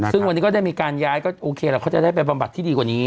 ซึ่งวันนี้ก็ได้มีการย้ายก็โอเคแล้วเขาจะได้ไปบำบัดที่ดีกว่านี้